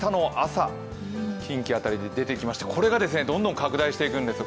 近畿辺りで出てきました、これがどんどん拡大していくんです。